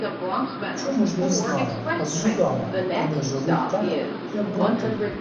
Чому ж не з нами, а з жидами пани живуть так, як брати?